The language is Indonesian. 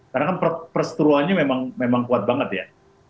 karena kan perseturuannya memang kuat banget ya